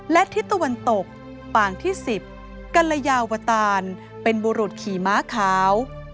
และทิศตะวันตกปางที่๑๐กัลยาวตานเป็นบุรุษขี่ม้าขาว